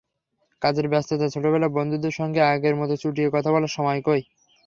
কাজের ব্যস্ততায় ছোটবেলার বন্ধুর সঙ্গে আগের মতো চুটিয়ে কথা বলার সময় কই।